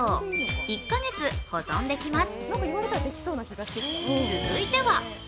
１か月保存できます。